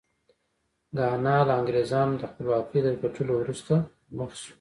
ګانا له انګرېزانو خپلواکۍ تر ګټلو وروسته مخ شو.